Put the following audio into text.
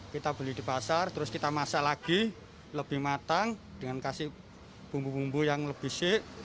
kita beli di pasar terus kita masak lagi lebih matang dengan kasih bumbu bumbu yang lebih sik